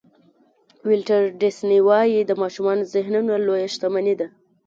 ولټر ډیسني وایي د ماشومانو ذهنونه لویه شتمني ده.